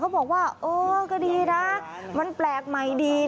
เขาบอกว่าก็ดีนะมันแปลกใหม่ดี